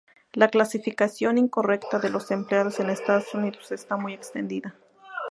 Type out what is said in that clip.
La clasificación incorrecta de los empleados en Estados Unidos está muy extendida.